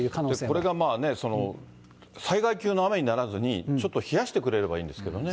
これがまあね、その、災害級の雨にならずに、ちょっと冷してくれればいいんですけどね。